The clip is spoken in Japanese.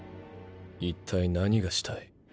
一体何がしたい？